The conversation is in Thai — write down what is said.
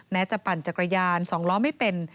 จะปั่นจักรยาน๒ล้อไม่เป็น